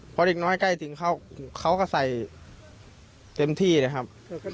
เพราะเด็กน้อยใกล้ถึงเขาเขาก็ใส่เต็มที่เลยครับ